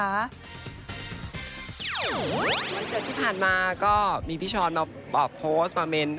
วันเกิดที่ผ่านมาก็มีพี่ช้อนมาโพสต์มาเมนต์